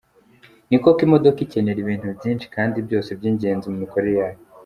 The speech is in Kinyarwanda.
Ni koko, imodoka ikenera ibintu byinshi kandi byose by’ingenzi mu mikorere yayo.